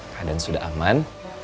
kaden sudah aman